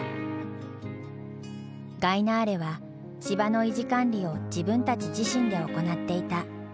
ガイナーレは芝の維持管理を自分たち自身で行っていた。